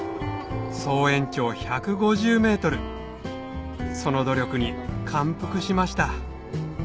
総延長１５０ｍその努力に感服しました